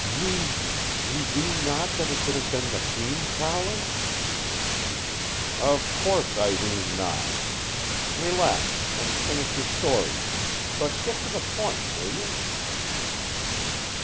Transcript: "Ye ... ye ween not that it could have been the fiend prowling?" "Of course I ween not! Relax, and finish your story. But get to the point, will you?"